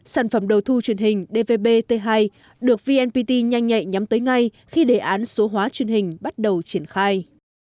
sản phẩm đầu thu truyền hình dvb t hai được vnpt nhanh nhạy nhắm tới ngay khi đề án số hóa truyền hình bắt đầu triển khai